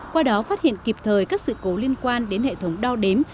qua đó phát hiện kịp thời các sự cố liên quan đến hệ thống đo đếm